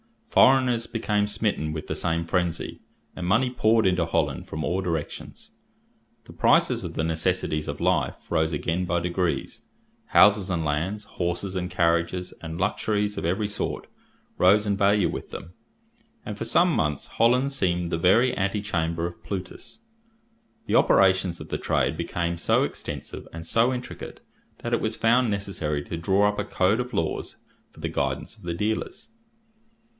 Foreigners became smitten with the same frenzy, and money poured into Holland from all directions. The prices of the necessaries of life rose again by degrees: houses and lands, horses and carriages, and luxuries of every sort, rose in value with them, and for some months Holland seemed the very antechamber of Plutus. The operations of the trade became so extensive and so intricate, that it was found necessary to draw up a code of laws for the guidance of the dealers.